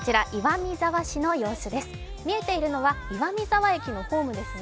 見えているのは岩見沢駅のホームですね。